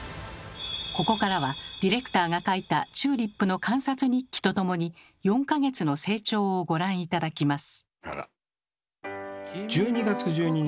ここからはディレクターが書いたチューリップの観察日記と共に４か月の成長をご覧頂きます。